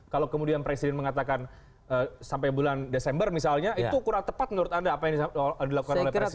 kalau kemudian presiden mengatakan sampai bulan desember misalnya itu kurang tepat menurut anda apa yang dilakukan oleh presiden